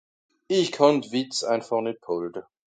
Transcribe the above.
Ìch kànn d'Wìtz einfàch nìt bhàlte.